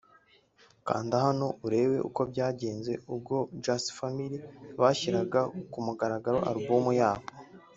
Kanda hano urebe uko byagenze ubwo Just Family bashyiraga ku mugaragaro album yabo